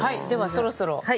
そろそろ。